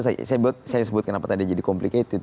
saya sebut kenapa tadi jadi complicated